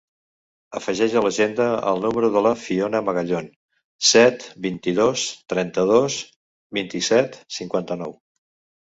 Afegeix a l'agenda el número de la Fiona Magallon: set, vint-i-dos, trenta-dos, vint-i-set, cinquanta-nou.